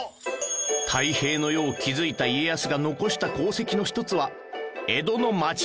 太平の世を築いた家康が残した功績の一つは